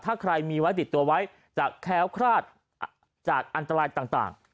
ถ้าใครมีไว้ติดตัวไว้จะแค้วคลาดจากอันตรายต่าง